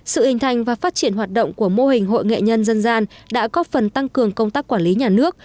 sự hình thành và phát triển hoạt động của mô hình hội nghệ nhân dân gian đã có phần tăng cường công tác quản lý nhà nước